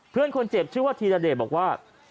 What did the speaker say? เพื่อนคนเจ็บชื่อว่าธีรเดชบอกว่า